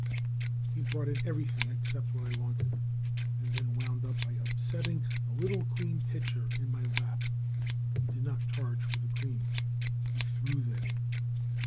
He brought in everything except what I wanted, and then wound up by upsetting the little cream pitcher in my lap. He did not charge for the cream. He threw that in.